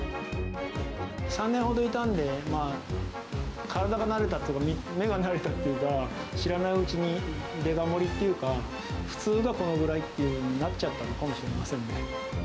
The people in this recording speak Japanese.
３年ほどいたんで、体が慣れたというか、目が慣れたっていうか、知らないうちに、デカ盛りっていうか、普通がこれぐらいになっちゃったのかもしれませんね。